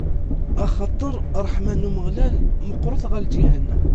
Axaṭer ṛṛeḥma n Umeɣlal meqqret ɣer lǧiha-nneɣ.